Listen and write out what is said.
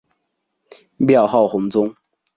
庙号弘宗。